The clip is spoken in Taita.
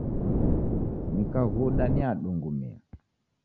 Nikaghuda niadungumia